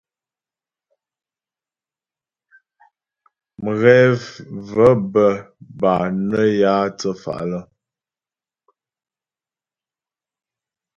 Mghɛ və̀ bə́ bâ nə́ yǎ thə́fa' lə́.